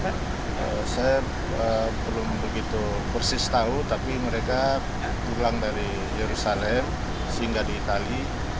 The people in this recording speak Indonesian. saya belum begitu persis tahu tapi mereka pulang dari yerusalem sehingga di itali